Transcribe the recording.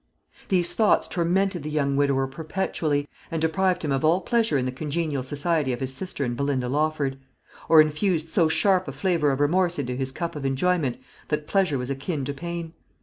These thoughts tormented the young widower perpetually, and deprived him of all pleasure in the congenial society of his sister and Belinda Lawford; or infused so sharp a flavour of remorse into his cup of enjoyment, that pleasure was akin to pain.